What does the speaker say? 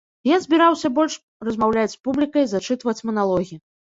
Я збіраўся больш размаўляць з публікай, зачытваць маналогі.